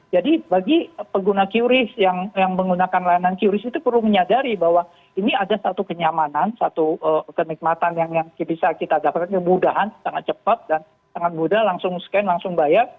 jadi bagi pengguna curist yang menggunakan layanan curist itu perlu menyadari bahwa ini ada satu kenyamanan satu kenikmatan yang bisa kita dapatkan dengan mudah sangat cepat dan sangat mudah langsung scan langsung bayar